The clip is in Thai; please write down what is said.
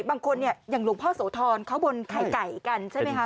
บางคนเนี่ยอย่างหลวงพ่อโสธรเขาบนไข่ไก่กันใช่ไหมคะ